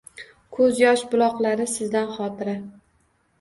Ko’zyosh buloqlari sizdan xotira